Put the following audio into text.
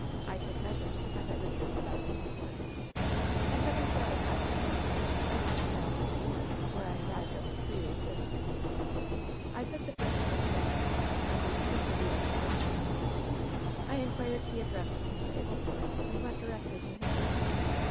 I took measures to find out the truth about this report, and having satisfied myself of it, I set sail for New York, where I arrived only three days since. I took the first train to Washington, and reached the city yesterday morning. I inquired the address of Mr. Abel Force and went directly to his house.